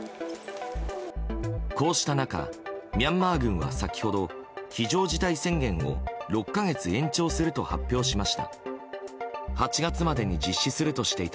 こうした中ミャンマー軍は先ほど非常事態宣言を６か月延長すると発表しました。